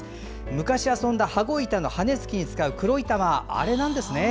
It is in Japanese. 昔遊んだ羽子板の羽根つきに使う板、あれなんですね。